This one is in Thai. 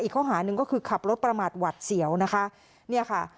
ข้อหาหนึ่งก็คือขับรถประมาทหวัดเสียวนะคะเนี่ยค่ะ